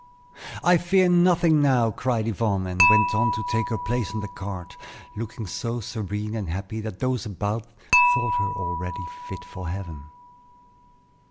"I fear nothing now!" cried Yvonne, and went on to take her place in the cart, looking so serene and happy that those about her thought her already fit for heaven.